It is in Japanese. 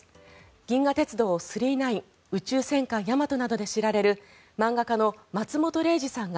「銀河鉄道９９９」「宇宙戦艦ヤマト」などで知られる漫画家の松本零士さんが